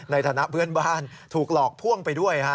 ในฐานะเพื่อนบ้านถูกหลอกพ่วงไปด้วย